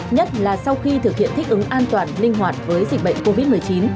nhất là sau khi thực hiện thích ứng an toàn linh hoạt với dịch bệnh covid một mươi chín